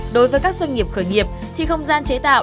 đối với các doanh nghiệp khởi nghiệp thì không gian chế tạo